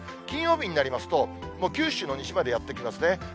金曜日になりますと、九州の西までやって来ますね。